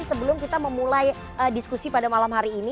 sebelum kita memulai diskusi pada malam hari ini